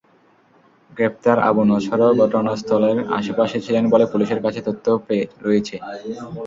গ্রেপ্তার আবু নছরও ঘটনাস্থলের আশপাশে ছিলেন বলে পুলিশের কাছে তথ্য রয়েছে।